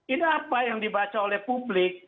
ini apa yang dibaca oleh publik